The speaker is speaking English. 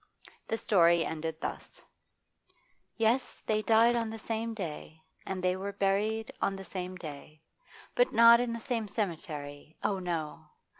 The story ended thus: 'Yes, they died on the same day, and they were buried, on the same day. But not in the same cemetery, oh no!